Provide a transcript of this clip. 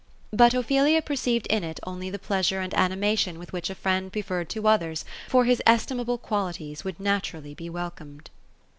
But Ophelia perceived in it only the pleasure and animation with which a friend preferred to others for his estimable qualities, would naturally be welcomed.